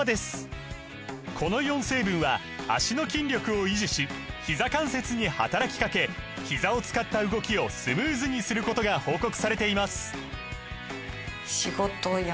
この４成分は脚の筋力を維持しひざ関節に働きかけひざを使った動きをスムーズにすることが報告されています